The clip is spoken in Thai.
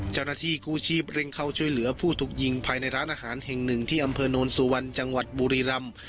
เจ้าหน้าที่กู้ชีพเร่งเข้าช่วยเหลือผู้ถูกยิงภายในร้านอาหารแห่งหนึ่งที่อำเภอโนนสุวรรณจังหวัดบุรีรำ